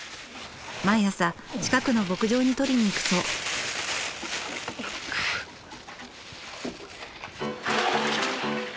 毎朝近くの牧場に取りに行くそう。